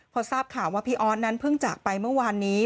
พอทราบข่าวว่าพี่ออสนั้นเพิ่งจากไปเมื่อวานนี้